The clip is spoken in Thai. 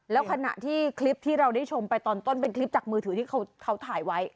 แล้วขณะที่คลิปที่เราได้ชมไปตอนต้นเป็นคลิปจากมือถือที่เขาถ่ายไว้